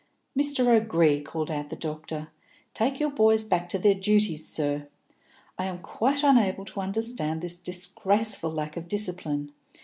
"Mr. O'Gree," called out the doctor, "take your boys back to their duties, sir! I am quite unable to understand this disgraceful lack of discipline.